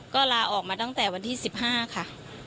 ก็ลาออกมาตั้งแต่วันที่๑๕ค่ะ